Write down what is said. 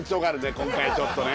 今回ちょっとね。